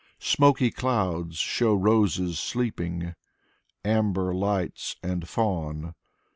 Smoky clouds show roses sleeping, Amber lights and fawn.